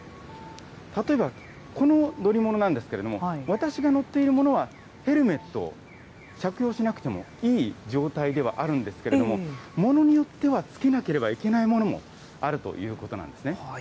例えば、この乗り物なんですけれども、私が乗っているものはヘルメットを着用しなくてもいい状態ではあるんですけれども、ものによっては着けなければいけないものもあるということなんですね。